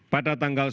pada tanggal sepuluh